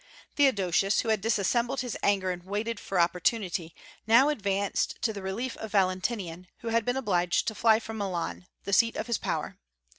Theodosius, who had dissembled his anger and waited for opportunity, now advanced to the relief of Valentinian, who had been obliged to fly from Milan, the seat of his power.